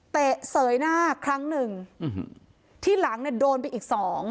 เตะเสยหน้าครั้งนึงที่หลังโดนไปอีก๒